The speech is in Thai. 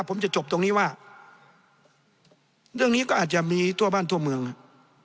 ผมจะจบตรงนี้ว่าเรื่องนี้ก็อาจจะมีทั่วบ้านทั่วเมืองฮะ